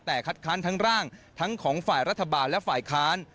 แต่คัดค้านทั้งร่างทั้งของฝ่ายรัฐบาลและฝ่ายค้าน